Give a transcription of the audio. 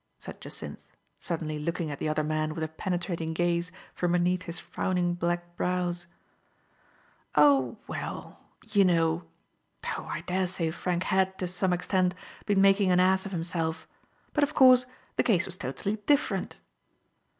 said Jacynth, suddenly looking at the other man with Digitized by Google $6 THE FATE OF EENELLA. a penetrating gaze from beneath his frowning black brows. " Oh — ^well — you know — oh, I dare say Frank had, to some extent, been making an ass of him self. But, of course, the case was totally dif ferent."